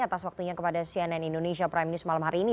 atas waktunya kepada cnn indonesia prime news malam hari ini